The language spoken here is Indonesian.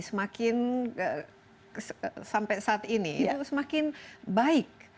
semakin sampai saat ini itu semakin baik